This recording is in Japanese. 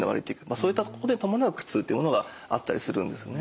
そういったところで伴う苦痛ってものがあったりするんですね。